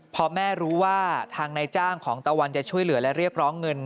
พอแม่รู้ว่าทางนายจ้างของตะวันจะช่วยเหลือและเรียกร้องเงิน